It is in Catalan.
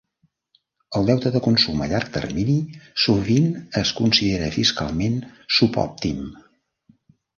El deute de consum a llarg termini sovint es considera fiscalment subòptim.